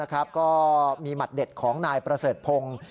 ก็มีหมัดเด็ดของนายประเสริฐพงศ์